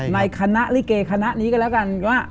ในคณะลิเกคณะนี้ก็แล้วกันว่า